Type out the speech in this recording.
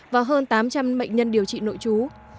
và hơn tám trăm linh bệnh nhân điều trị nội trú